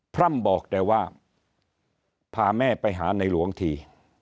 พร่ำบอกแต่ว่าพาแม่ไปหาในหลวงที